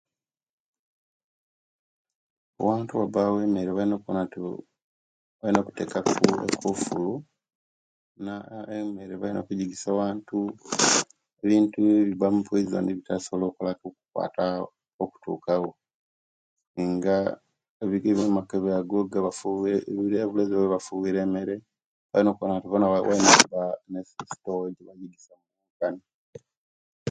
Owantu owabawo emere balino okuwona nti balina okutekatu ekofulu na emere balina okujigisa owantu ebintu ebibbamu epoyison obitasobola okukolaki okuba okutukawo nga amakebe agabamu ago ne obulezi egebafuwiire emere bona balina okuba ne sitowa ejebagisamu